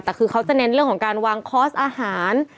แต่คือเขาจะเน้นเรื่องของการวางคอร์สอาหาร